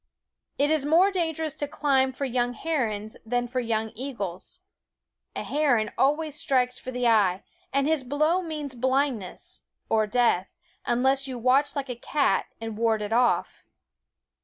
It is more dangerous to climb for young herons than for young eagles. A heron always strikes for the eye, and his blow means blindness, or death, unless you watch like a cat and ward it off.